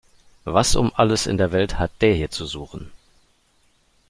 Was um alles in der Welt hat der hier zu suchen?